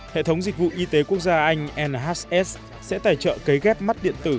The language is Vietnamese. hệ thống dịch vụ y tế quốc gia anh nhs sẽ tài trợ cấy ghép mắt điện tử